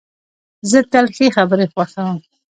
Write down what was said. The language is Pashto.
زه تل ښې خبري خوښوم.